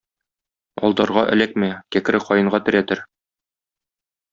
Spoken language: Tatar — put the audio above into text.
Алдарга эләкмә, кәкре каенга терәтер.